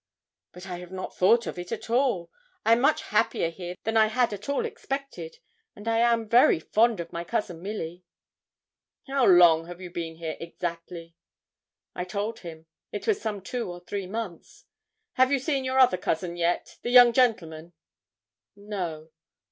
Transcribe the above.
'But I have not thought of it at all; I am much happier here than I had at all expected, and I am very fond of my cousin Milly.' 'How long have you been here exactly?' I told him. It was some two or three months. 'Have you seen your other cousin yet the young gentleman?' 'No.'